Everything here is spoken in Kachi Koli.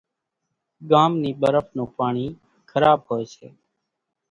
ڳام نِي ٻرڦ نون پاڻِي کراٻ هوئيَ سي۔